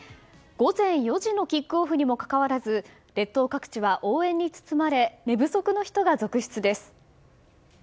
午前４時のキックオフにもかかわらず列島各地は応援に包まれ寝不足の人が続出です。